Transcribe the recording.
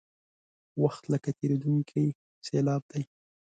وخت لکه تېرېدونکې سیلاب دی.